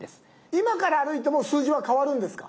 今から歩いても数字は変わるんですか？